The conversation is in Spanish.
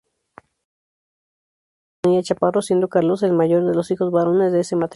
Josefa Bonilla Chaparro, siendo Carlos el mayor de los hijos varones de ese matrimonio.